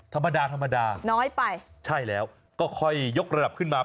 ธรรมดาธรรมดาน้อยไปใช่แล้วก็ค่อยยกระดับขึ้นมา